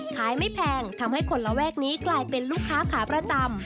ไม่แพงทำให้คนระแวกนี้กลายเป็นลูกค้าขาประจำ